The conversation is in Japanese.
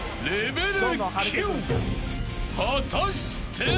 ［果たして］